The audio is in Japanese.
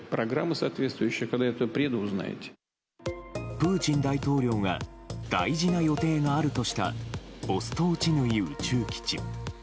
プーチン大統領が大事な予定があるとしたボストーチヌイ宇宙基地。